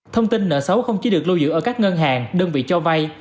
thông tin nợ xấu không chỉ được lưu giữ ở các ngân hàng đơn vị cho vay